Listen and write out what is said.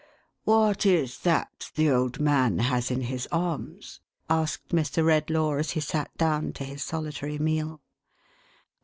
"What is that the old man has in his arms ?"" asked Mr. Redlaw, as he sat down to his solitary meal.